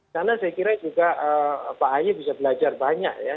karena saya kira juga pak aye bisa belajar banyak ya